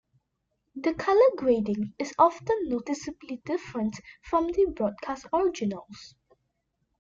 The colour grading is often noticeably different from the broadcast originals.